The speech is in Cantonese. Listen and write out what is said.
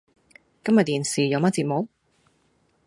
今日電視有乜節目？